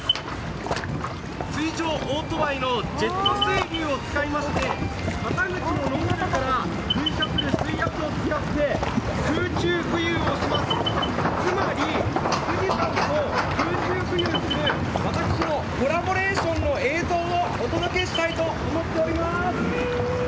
水上オートバイを使いまして、肩口から噴射の力を使って空中浮遊をします、つまり富士山と空中浮遊をする私とのコラボレーションの映像をお届けしたいと思っています。